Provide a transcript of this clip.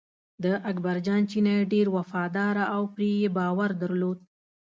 د اکبر جان چینی ډېر وفاداره و پرې یې باور درلود.